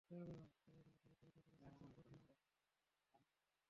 সঙ্গে সঙ্গে ফরম পরীক্ষা করে সিল-ছাপ্পর দিয়ে আমাকে ডেকে বুঝিয়ে দিলেন।